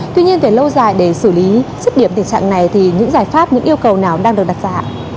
tuy nhiên về lâu dài để xử lý dứt điểm tình trạng này thì những giải pháp những yêu cầu nào đang được đặt ra ạ